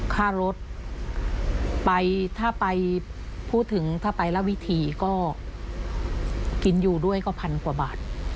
ค่ารถไปถ้าไปพูดถึงถ้าไปละวิธีก็กินอยู่ด้วยก็พันกว่าบาท